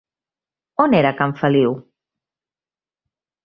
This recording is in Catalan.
On era Can Feliu?